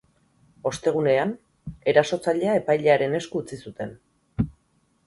Ostegunean, erasotzailea epailearen esku utzi zuten.